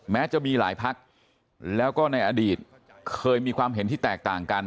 แม้จะมีหลายพักแล้วก็ในอดีตเคยมีความเห็นที่แตกต่างกัน